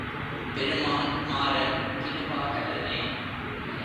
பெருமான் குமாரன் கிருபாகரனே!